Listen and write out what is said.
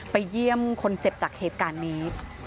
เยี่ยมคนเจ็บจากเหตุการณ์นี้